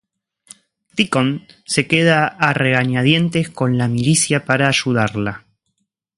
Deacon se queda a regañadientes con la milicia para ayudarla.